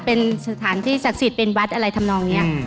เป็นสถานที่ศักดิ์สิทธิ์เป็นวัดอะไรทำนองนี้